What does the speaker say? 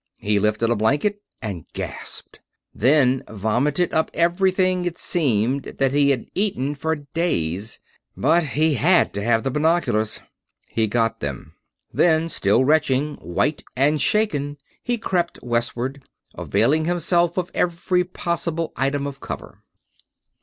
He lifted a blanket and gasped: then vomited up everything, it seemed, that he had eaten for days. But he had to have the binoculars. He got them. Then, still retching, white and shaken, he crept westward; availing himself of every possible item of cover.